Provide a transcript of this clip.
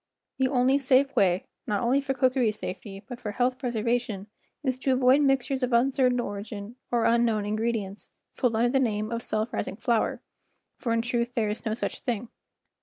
1 he only safe way, not only for cookery safety but for health preserva¬ tion, is to avoid mixtures of uncertain origin or unknown in¬ gredients sold under the name of self rising flour, for in truth there is no such thing.